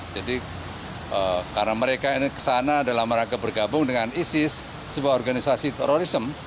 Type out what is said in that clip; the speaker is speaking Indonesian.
jadi karena mereka kesana dalam rangka bergabung dengan isis sebuah organisasi terorisme